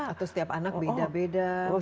atau setiap anak beda beda